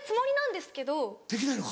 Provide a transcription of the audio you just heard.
できないのか？